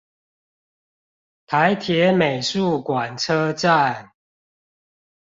台鐵美術館車站